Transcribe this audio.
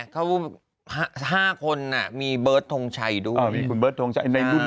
เขา๕คนมีเบิร์ตทองชัยด้วย